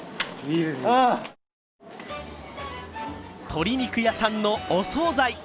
鶏肉屋さんのお総菜。